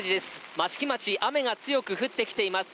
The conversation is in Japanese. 益城町、雨が強く降ってきています